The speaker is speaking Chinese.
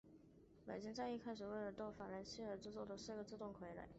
白金在一开始为了逗法兰西奴傀儡发笑而制作的四个自动傀儡。